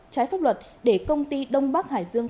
trái pháp luật để công ty đông bắc hải dương